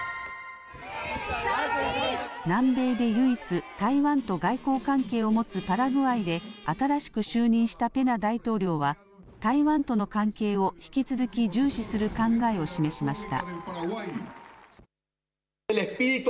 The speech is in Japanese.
南米で唯一、台湾と外交関係を持つパラグアイで新しく就任したペニャ大統領は台湾との関係を引き続き重視する考えを示しました。